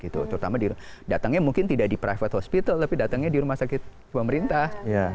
terutama datangnya mungkin tidak di private hospital tapi datangnya di rumah sakit pemerintah